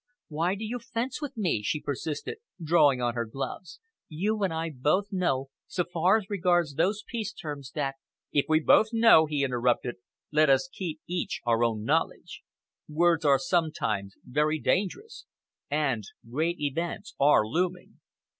"Why do you fence with me?" she persisted, drawing on her gloves. "You and I both know, so far as regards those peace terms, that " "If we both know," he interrupted, "let us keep each our own knowledge. Words are sometimes very dangerous, and great events are looming.